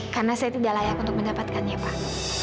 karena saya tidak layak untuk mendapatkannya pak